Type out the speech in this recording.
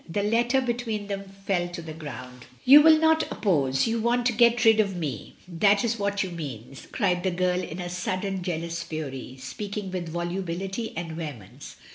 The letter between them fell to the ground. "You will not oppose! You want to get rid of me, that is what you mean," cried the girl in a sudden jealous fury, speaking with volubility and vehemence.